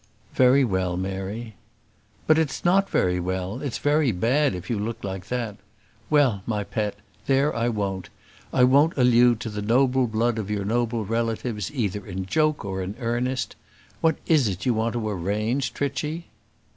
"Very well, Mary." "But it's not very well; it's very bad if you look like that. Well, my pet, there I won't. I won't allude to the noble blood of your noble relatives either in joke or in earnest. What is it you want to arrange, Trichy?"